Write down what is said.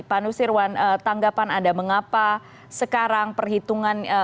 pak nusirwan tanggapan anda mengapa sekarang perhitungan